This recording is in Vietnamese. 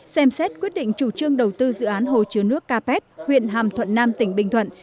xem xét quyết định chủ trương đầu tư dự án hồ chứa nước capet huyện hàm thuận nam tỉnh bình thuận